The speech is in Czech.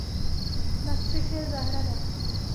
Na střeše je zahrada.